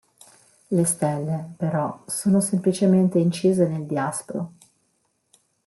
Le stelle, però, sono semplicemente incise nel diaspro.